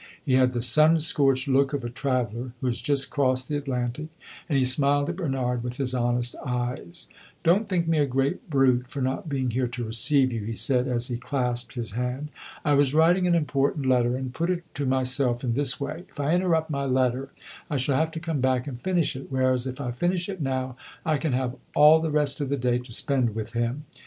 He had the sun scorched look of a traveller who has just crossed the Atlantic, and he smiled at Bernard with his honest eyes. "Don't think me a great brute for not being here to receive you," he said, as he clasped his hand. "I was writing an important letter and I put it to myself in this way: 'If I interrupt my letter I shall have to come back and finish it; whereas if I finish it now, I can have all the rest of the day to spend with him.